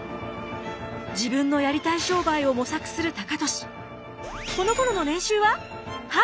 自分のやりたい商売を模索する高利。